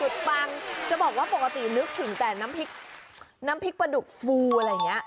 ปังจะบอกว่าปกตินึกถึงแต่น้ำพริกน้ำพริกปลาดุกฟูอะไรอย่างนี้